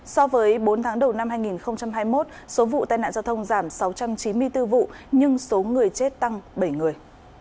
so với bốn tháng đầu năm hai nghìn hai mươi một số vụ tai nạn giao thông giảm sáu trăm chín mươi bốn vụ nhưng số người chết tăng bảy người